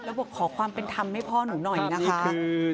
แล้วบอกขอความเป็นธรรมให้พ่อหนูหน่อยนะคะ